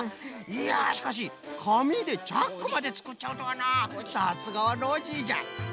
いやしかしかみでチャックまでつくっちゃうとはなさすがはノージーじゃ！